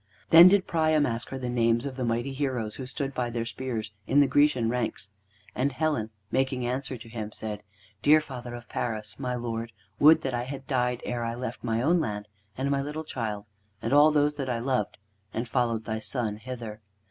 Then did Priam ask her the names of the mighty heroes who stood by their spears in the Grecian ranks, and Helen, making answer to him, said: "Dear father of Paris, my lord, would that I had died ere I left my own land and my little child, and all those that I loved, and followed thy son hither.